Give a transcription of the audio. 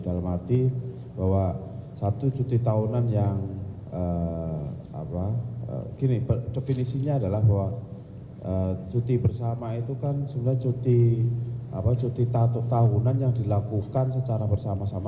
dalam arti bahwa satu cuti tahunan yang definisinya adalah bahwa cuti bersama itu kan sebenarnya cuti tahunan yang dilakukan secara bersama sama